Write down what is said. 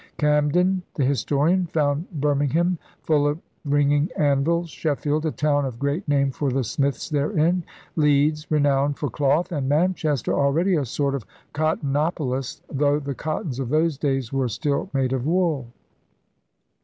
Camden the historian found Birming ham full of ringing anvils, Sheffield *a town of great name for the smiths therein, ' Leeds renowned for cloth, and Manchester already a sort of Cotton opolis, though the * cottons' of those days were still made of wool.